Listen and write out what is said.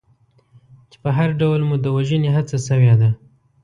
چې په هر ډول مو د وژنې هڅه شوې ده.